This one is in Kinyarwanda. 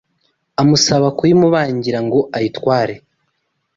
amusaba kuyimubagira ngo ayitware